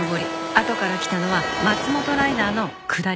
あとから来たのは松本ライナーの下り。